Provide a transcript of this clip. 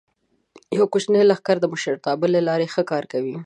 یو کوچنی لښکر د مشرتابه له لارې ښه کار کوي.